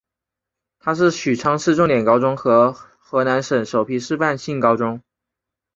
它是许昌市重点高中和河南省首批示范性高中。